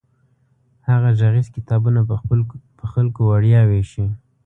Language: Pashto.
هغه غږیز کتابونه په خلکو وړیا ویشي.